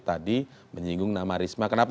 tadi menyinggung nama risma kenapa